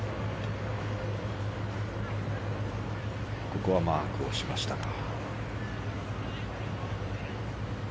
ここはマークしましたが。